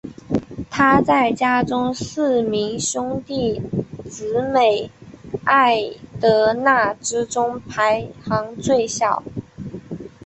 她在家中四名兄弟姊妹艾德娜之中排行最小。